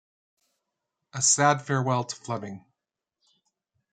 A sad farewell to Fleming.